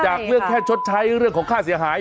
เรื่องแค่ชดใช้เรื่องของค่าเสียหาย